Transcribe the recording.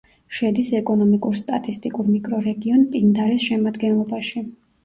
შედის ეკონომიკურ-სტატისტიკურ მიკრორეგიონ პინდარეს შემადგენლობაში.